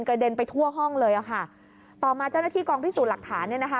เด็นไปทั่วห้องเลยอ่ะค่ะต่อมาเจ้าหน้าที่กองพิสูจน์หลักฐานเนี่ยนะคะ